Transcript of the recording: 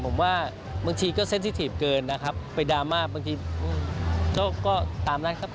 ผมว่าบางทีก็เส้นที่ถีบเกินนะครับไปดราม่าบางทีก็ตามนั้นครับ